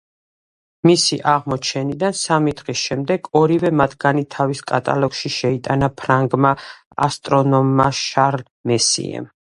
მისი აღმოჩენიდან სამი დღის შემდეგ, ორივე მათგანი თავის კატალოგში შეიტანა ფრანგმა ასტრონომმა შარლ მესიემ.